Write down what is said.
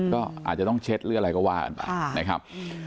ก็อาจจะต้องเช็ดหรืออะไรก็ว่ากันไปนะครับ